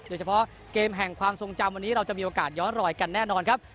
โดยเฉพาะเกมแห่งความทรงจำวันนี้เราจะมีโอกาสย้อนรอยกันแน่นอนครับ